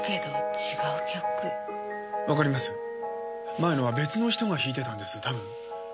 前のは別の人が弾いてたんですたぶん。